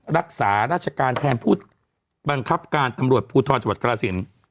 รักษาราชการแทนผู้บังคับการตำรวจภูทรจังหวัดกรสิน